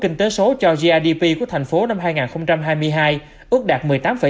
nhiều thành phố năm hai nghìn hai mươi hai ước đạt một mươi tám sáu mươi sáu